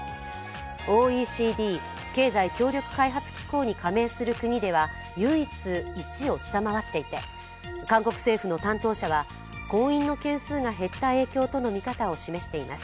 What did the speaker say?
ＯＥＣＤ＝経済協力開発機構に加盟する国では唯一、１を下回っていて韓国政府の担当者は婚姻の件数が減った影響との見方を示しています。